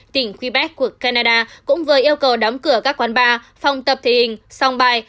tỉnh quebec của canada cũng vừa yêu cầu đóng cửa các quán bar phòng tập thể hình song bài